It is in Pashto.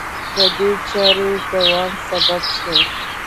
د دې چارې دوام سبب شو